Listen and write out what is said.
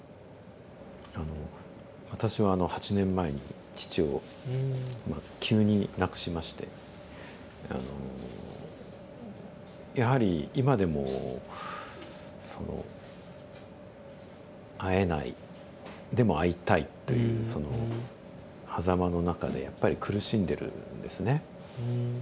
あの私はあの８年前に父をまあ急に亡くしましてあのやはり今でもその「会えないでも会いたい」というそのはざまの中でやっぱり苦しんでるんですね。